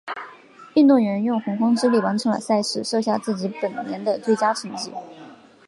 运动员用洪荒之力完成赛事，设下了自己本年的最佳成绩。